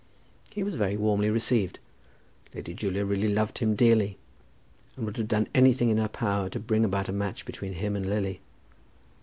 He was very warmly received. Lady Julia really loved him dearly, and would have done anything in her power to bring about a match between him and Lily.